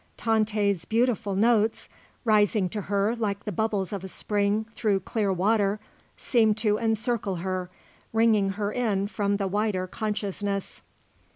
Tante's beautiful notes, rising to her like the bubbles of a spring through clear water, seemed to encircle her, ringing her in from the wider consciousness.